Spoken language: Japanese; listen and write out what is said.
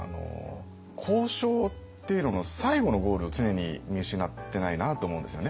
交渉っていうのの最後のゴールを常に見失ってないなと思うんですよね。